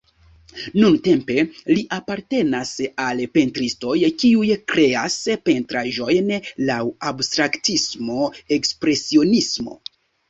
Nuntempe li apartenas al pentristoj, kiuj kreas pentraĵojn laŭ abstraktismo-ekspresionismo.